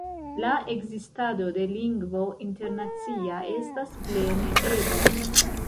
La ekzistado de lingvo internacia estas plene ebla.